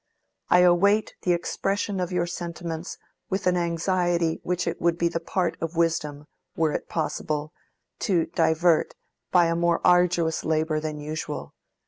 I await the expression of your sentiments with an anxiety which it would be the part of wisdom (were it possible) to divert by a more arduous labor than usual.